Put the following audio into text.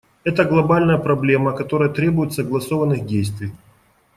Это глобальная проблема, которая требует согласованных действий.